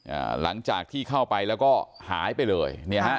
อ่าหลังจากที่เข้าไปแล้วก็หายไปเลยเนี่ยฮะ